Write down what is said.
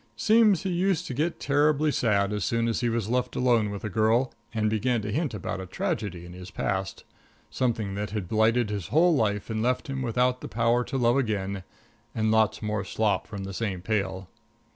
Seems he used to get terribly sad as soon as he was left alone with a girl and began to hint about a tragedy in his past something that had blighted his whole life and left him without the power to love again and lots more slop from the same pail.